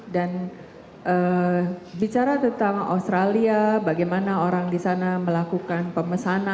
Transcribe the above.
dan bicara tentang australia bagaimana orang di sana melakukan pemesanan